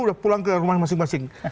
udah pulang ke rumah masing masing